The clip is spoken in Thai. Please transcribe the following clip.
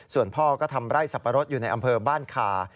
ส่วนพ่อก็ทำไร่สับปะรดอยู่ในอำเภอบ้านคา